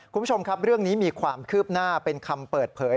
คุณผู้ชมครับเรื่องนี้มีความคืบหน้าเป็นคำเปิดเผย